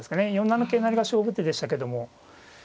４七桂成が勝負手でしたけども。